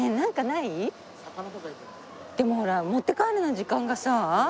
でもほら持って帰るのに時間がさ。